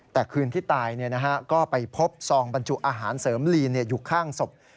แต่คืนที่ตายก็ไปพบซองบรรจุอาหารเสริมลีนอยู่ข้างศพ